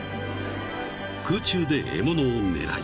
［空中で獲物を狙い］